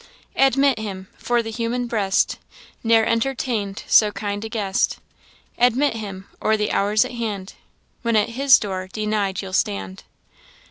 "Admit him for the human breast Ne'er entertain'd so kind a guest; Admit him or the hour's at hand When at His door, denied, you'll stand.